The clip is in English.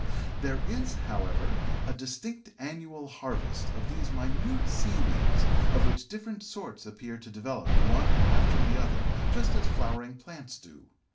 There is, however, a distinct annual harvest of these minute seaweeds, of which different sorts appear to develop one after the other, just as flowering plants do.